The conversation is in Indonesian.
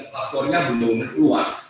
lapornya belum keluar